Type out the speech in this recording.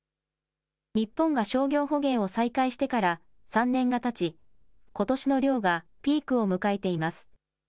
日本が商業捕鯨を再開してから３年がたち、ことしの漁がピークを迎えています。